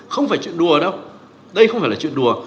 không phải chuyện đùa đâu đây không phải là chuyện đùa